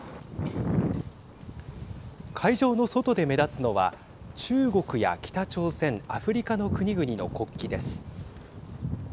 会場の外で目立つのは中国や北朝鮮アフリカの国々の国旗です。